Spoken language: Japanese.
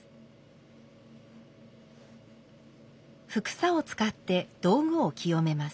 帛紗を使って道具を清めます。